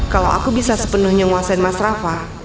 kalau aku bisa sepenuhnya nguasain mas rafa